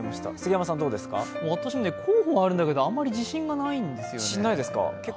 私もね、候補はあるんだけどあんまり自信ないんですよね。